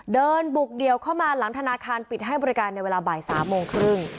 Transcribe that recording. เดินบุกเดี่ยวเข้ามาหลังธนาคารปิดให้บริการในเวลาบ่าย๓โมงครึ่ง